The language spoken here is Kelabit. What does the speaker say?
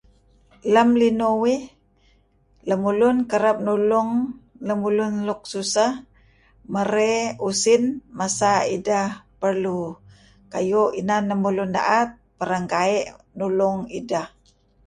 Lem linuh uih lemulun kereb nulung lemulun luk susah merey usin masa ideh perlu kayu' inan lemulun da'et perenggai nulung ideh.